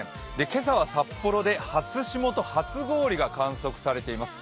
今朝は札幌で初霜と初氷が観測されています。